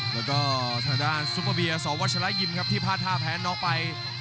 แล้วก็ทางด้านซุปเปอร์เบียสวรรค์ชะละยิมครับที่พาดทาแผนนอกไป